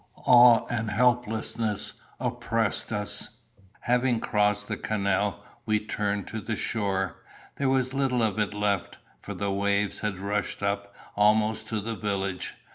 Awe and helplessness oppressed us. Having crossed the canal, we turned to the shore. There was little of it left; for the waves had rushed up almost to the village.